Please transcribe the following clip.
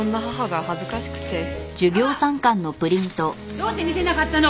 どうして見せなかったの！？